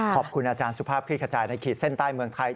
ขอบคุณอาจารย์สุภาพคลี่ขจายในขีดเส้นใต้เมืองไทย